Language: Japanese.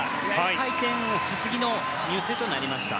回転しすぎのミスとなりました。